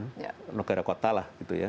kepulauan negara kota lah